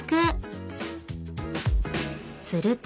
［すると］